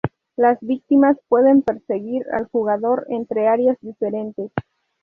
Las víctimas pueden perseguir al jugador entre áreas diferentes.